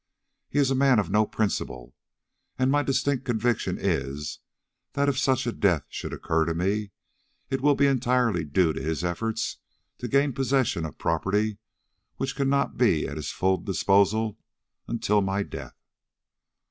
He is a man of no principle, and my distinct conviction is, that if such a death should occur to me, it will be entirely due to his efforts to gain possession of property which cannot be at his full disposal until my death.